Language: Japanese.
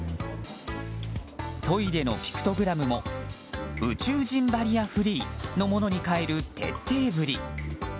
トイレのピクトグラムも宇宙人バリアフリーのものに変える徹底ぶり。